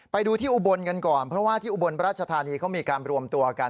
ไปดูที่อุบลกันก่อนเพราะว่าที่อุบลราชธานีเขามีการรวมตัวกัน